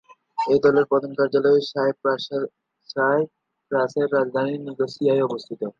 এই দলের প্রধান কার্যালয় সাইপ্রাসের রাজধানী নিকোসিয়ায় অবস্থিত।